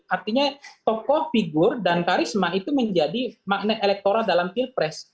artinya tokoh figur dan karisma itu menjadi magnet elektoral dalam pilpres